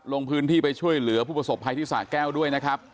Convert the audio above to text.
ลงพื้นที่ไปช่วยเหลือผู้ประสบภัยที่สะแก้วด้วยนะครับ